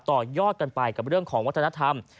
ต่อยอดกันไปกับเรื่องของวัฒนธรรม